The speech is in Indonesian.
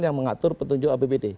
yang mengatur petunjuk apbd